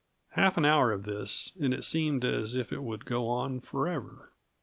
Half an hour of this, and it seemed as if it would go on forever.